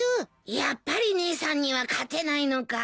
やっぱり姉さんには勝てないのか。